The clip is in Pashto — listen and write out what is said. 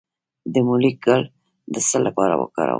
د مولی ګل د څه لپاره وکاروم؟